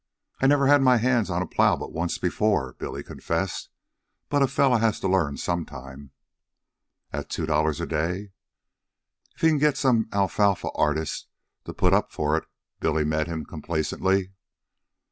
"I'd never had my hands on a plow but once before," Billy confessed. "But a fellow has to learn some time." "At two dollars a day?" "If he can get some alfalfa artist to put up for it," Billy met him complacently.